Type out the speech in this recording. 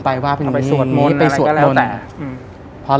ไปว่าไปนี่นี่ไปสวดมนตร์ก็แล้วแต่อืมพอเล่า